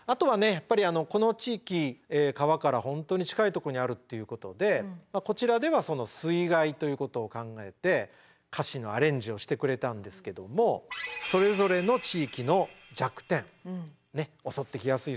やっぱりこの地域川から本当に近いとこにあるっていうことでこちらでは水害ということを考えて歌詞のアレンジをしてくれたんですけどもそれぞれの地域の弱点襲ってきやすい